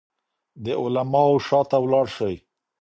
د علماوو شاته ولاړ شئ.